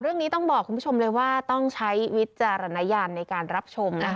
เรื่องนี้ต้องบอกคุณผู้ชมเลยว่าต้องใช้วิจารณญาณในการรับชมนะคะ